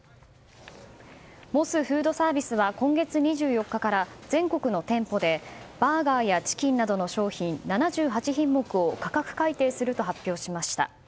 モスフードサービスは今月２４日から全国の店舗で、バーガーやチキンなどの商品７８品目を価格改定すると発表しました。